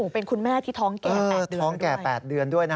เป็นคุณแม่ที่ท้องแก่๘เดือนด้วย